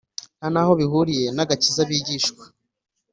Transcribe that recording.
Ntanaho bihuriye nagakiza bigishwa